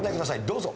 どうぞ。